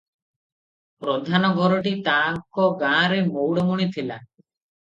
ପ୍ରଧାନ ଘରଟି ତା'ଙ୍କ ଗାଁରେ ମଉଡ଼ମଣି ଥିଲା ।